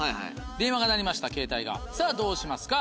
電話が鳴りましたケータイがさぁどうしますか？